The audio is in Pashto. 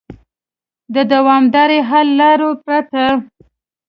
د دوامدارو حل لارو پرته